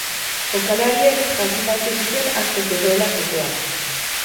Jokalariek jakin bazekiten asko zegoela jokoan.